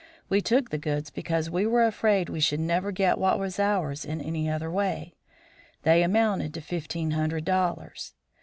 We took the goods because we were afraid we should never get what was ours in any other way; they amounted to fifteen hundred dollars.